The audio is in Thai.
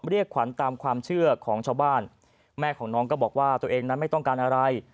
เรียกขวัญตามความเชื่อของชาวบ้านแม่ของน้องก็บอกว่าตัวเองนั้นไม่ต้องการอะไร